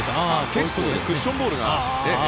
結構クッションボールが。